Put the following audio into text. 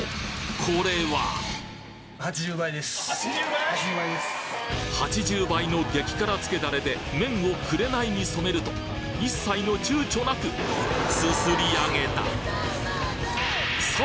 これは８０倍の激辛つけダレで麺を紅に染めると一切の躊躇なくすすり上げた！！